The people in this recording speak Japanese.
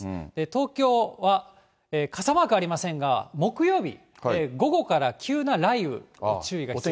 東京は傘マークありませんが、木曜日、午後から急な雷雨に注意が必要です。